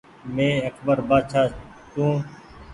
مينٚ اڪبر بآڇآ تونٚ